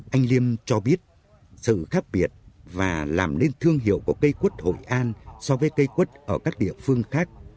anh liêm cho biết sự khác biệt và làm nên thương hiệu của cây quất hội an so với cây quất ở các địa phương khác